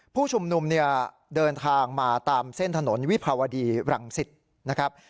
ผู้ชุมนุมเนี่ยเดินทางมาตามเส้นถนนวิภาวดีรังสิตนะครับ